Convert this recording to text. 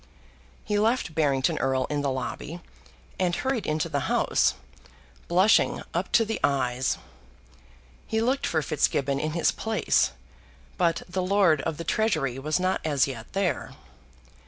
He left Barrington Erle in the lobby, and hurried into the House, blushing up to the eyes. He looked for Fitzgibbon in his place, but the Lord of the Treasury was not as yet there.